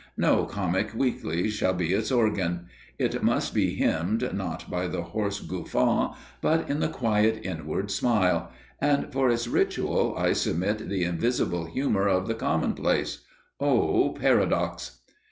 No comic weekly shall be its organ. It must be hymned not by the hoarse guffaw, but in the quiet inward smile and for its ritual, I submit the invisible humour of the Commonplace. O Paradox!